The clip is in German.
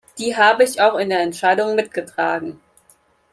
Die habe ich auch in der Entscheidung mitgetragen.